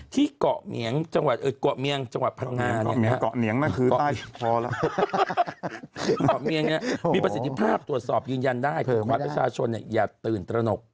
ที่เกาะเนียงจังหวัดเอ่อเกาะเนียงตรีเผาหรรอ